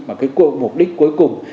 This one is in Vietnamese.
mà cái mục đích cuối cùng